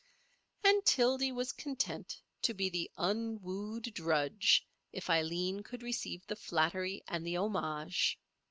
And Tildy was content to be the unwooed drudge if Aileen could receive the flattery and the homage.